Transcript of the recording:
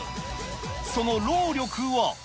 その労力は。